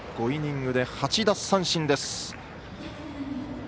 ５イニングで８奪三振です。